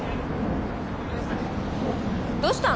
どうしたの？